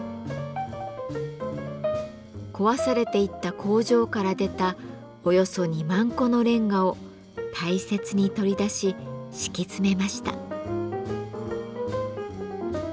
壊されていった工場から出たおよそ２万個のレンガを大切に取り出し敷き詰めました。